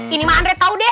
ini mah andre taudeh